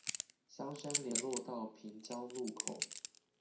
香山聯絡道平交路口